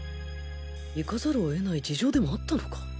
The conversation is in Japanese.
行かざるを得ない事情でもあったのか？